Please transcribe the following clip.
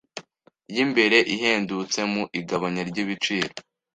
y'imbere ihendutse mu igabanya ry'ibiciro.